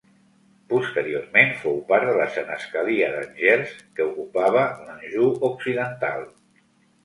Posteriorment fou part de la senescalia d'Angers que ocupava l'Anjou occidental.